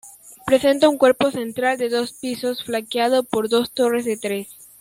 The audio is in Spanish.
Presenta un cuerpo central de dos pisos, flanqueado por dos torres de tres.